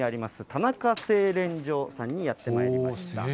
田中製簾所さんにやってまいりました。